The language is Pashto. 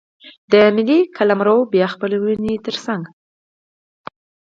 د ملي قلمرو بیا خپلونې ترڅنګ.